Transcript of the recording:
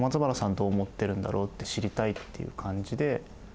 どう思ってるんだろうって知りたいっていう感じで。